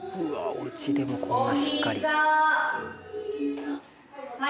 おうちでもこんなしっかり。